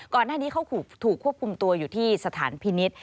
ก่อนหน้านี้เขาถูกควบคุมตัวอยู่ที่สถานพินิษฐ์